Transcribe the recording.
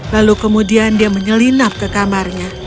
lalu kemudian dia menyelinap ke kamarnya